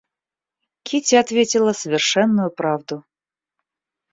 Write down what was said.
Кити ответила совершенную правду.